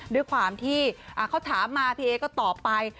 ด้วยความที่เขาถามมาพี่เอก็ตอบไป